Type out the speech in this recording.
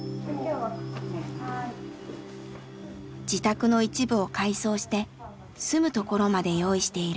自宅の一部を改装して住むところまで用意している。